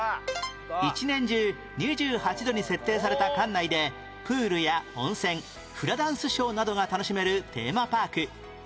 一年中２８度に設定された館内でプールや温泉フラダンスショーなどが楽しめるテーマパーク